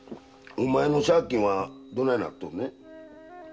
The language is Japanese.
お前の借金はどないなっとんねん？